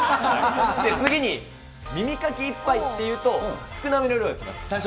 次に耳かき１杯って言うと、少なめの量が来ます。